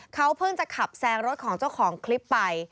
เขาเพิ่งจะขับแซงรถของเจ้าของคลิปไป